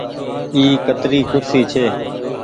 اي ڪتري ڪُرسي ڇي۔